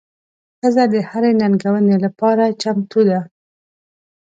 ښځه د هرې ننګونې لپاره چمتو ده.